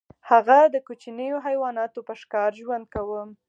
هغه د کوچنیو حیواناتو په ښکار ژوند کاوه.